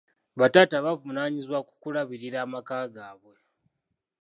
Bataata bavunaanyizibwa ku kulabirira amaka gaabwe.